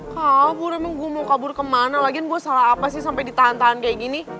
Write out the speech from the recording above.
hah kabur emang gue mau kabur kemana lagian gue salah apa sih sampe ditahan tahan kayak gini